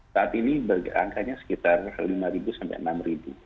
saat ini angkanya sekitar lima sekitar